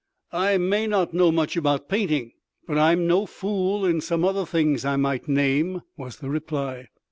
"I may not know much about painting, but I'm no fool in some other things I might name," was the reply.